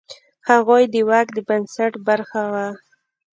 هغوی د واک د بنسټ برخه وه.